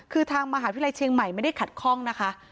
คือทางมหาวิทยาลัยเชียงใหม่ไม่ได้ขัดข้องนะคะ